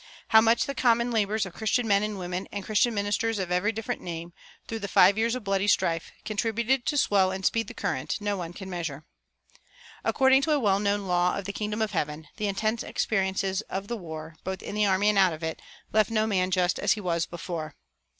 How much the common labors of Christian men and women and Christian ministers of every different name, through the five years of bloody strife, contributed to swell and speed the current, no one can measure. According to a well known law of the kingdom of heaven, the intense experiences of the war, both in the army and out of it, left no man just as he was before.